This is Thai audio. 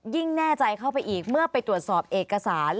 แน่ใจเข้าไปอีกเมื่อไปตรวจสอบเอกสาร